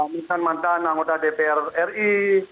misalnya mantan anggota dpr ri